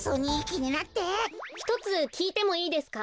ひとつきいてもいいですか？